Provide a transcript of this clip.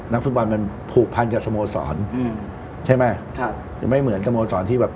ฟุตบอลมันผูกพันกับสโมสรอืมใช่ไหมครับหรือไม่เหมือนสโมสรที่แบบ